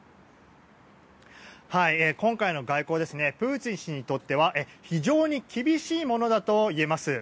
今回の外交プーチン氏にとっては非常に厳しいものだといえます。